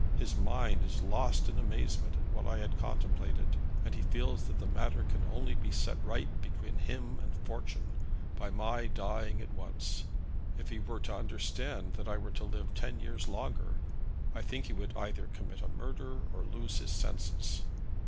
His mind is lost in amazement at what I had contemplated. And he feels that the matter can only be set right between him and fortune by my dying at once. If he were to understand that I were to live ten years longer, I think that he would either commit a murder or lose his senses."